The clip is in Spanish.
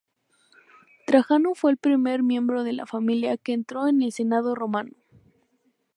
Trajano fue el primer miembro de la familia que entró en el Senado Romano.